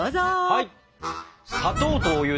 はい！